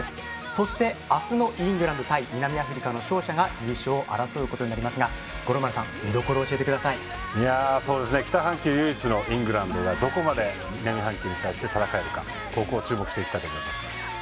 そして明日のイングランド対南アフリカの勝者が優勝を争いますが五郎丸さん、見どころを北半球唯一のイングランドがどこまで南半球に対して戦えるかここに注目したいと思います。